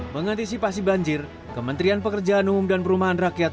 mengantisipasi banjir kementerian pekerjaan umum dan perumahan rakyat